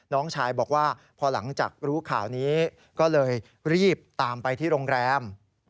น้องชายบอกว่าพอหลังจากรู้ข่าวนี้ก็เลยรีบตามไปที่โรงแรม